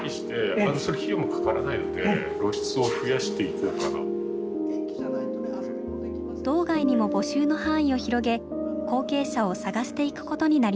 それちょっと道外にも募集の範囲を広げ後継者を探していくことになりました。